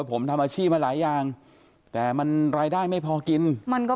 ผมทำอาชีพมาหลายอย่างแต่มันรายได้ไม่พอกินมันก็